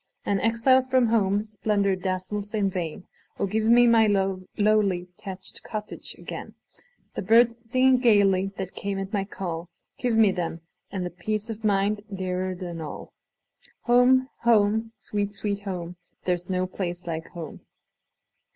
An exile from home, splendor dazzles in vain:O, give me my lowly thatched cottage again! The birds singing gayly that came at my call;—Give me them,—and the peace of mind dearer than all! Home! home! sweet, sweet home! There 's no place like home!